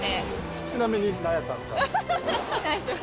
ちなみになんやったんですか？